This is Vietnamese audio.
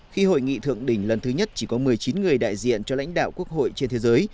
khi hội nghị thượng đỉnh lần thứ nhất chỉ có một mươi chín người đại diện cho lãnh đạo quốc hội trên thế giới